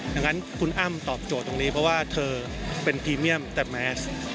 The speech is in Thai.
ดังนั้นคุณอ้ำตอบโจทย์ตรงนี้เพราะว่าเธอเป็นพรีเมียมแต่แมส